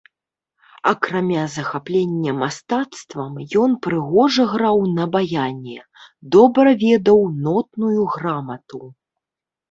Акрамя захаплення мастацтвам, ён прыгожа граў на баяне, добра ведаў нотную грамату.